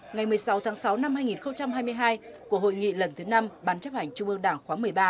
ngày một mươi sáu tháng sáu năm hai nghìn hai mươi hai của hội nghị lần thứ năm ban chấp hành trung ương đảng khóa một mươi ba